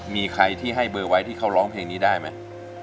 มีใครที่ให้เบอร์ไว้ที่เขาร้องเพลงนี้ได้ไหม